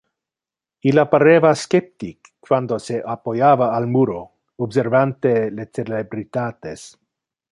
Illa pareva sceptic quando se appoiava al muro, observante le celebritates.